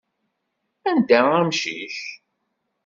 Anda amcic?